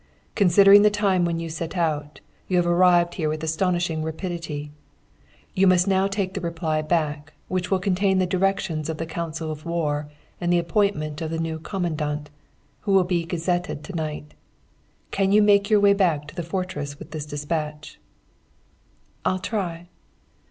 'Considering the time when you set out, you have arrived here with astonishing rapidity. You must now take the reply back, which will contain the directions of the Council of War and the appointment of the new Commandant, who will be gazetted to night. Can you make your way back to the fortress with this despatch?' "'I'll try.'